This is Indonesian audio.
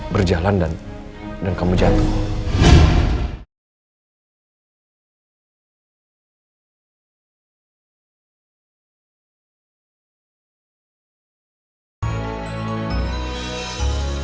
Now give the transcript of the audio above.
berjalan dan kamu jatuh